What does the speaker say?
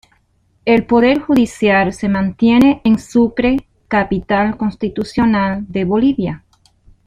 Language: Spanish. El Poder Judicial se mantiene en Sucre, capital constitucional de Bolivia.